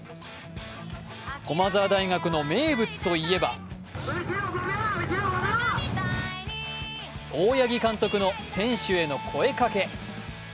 駒澤大学の名物といえば大八木監督の選手への声かけ。